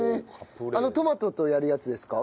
あのトマトとやるやつですか？